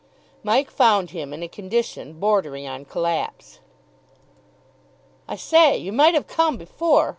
Mike found him in a condition bordering on collapse. "I say, you might have come before!"